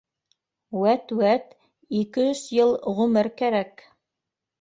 Вәт-вәт, ике-өс йыл ғүмер кәрәк